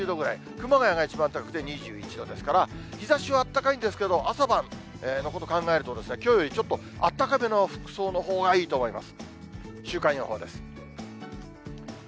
熊谷が一番高くて２１度ですから、日ざしはあったかいんですけど、朝晩のことを考えると、きょうよりちょっとあったかめの服装のほうがいいと思います。